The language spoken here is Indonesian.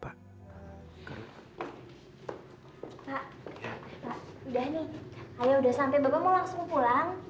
pak udah nih ayah udah sampai bapak mau langsung pulang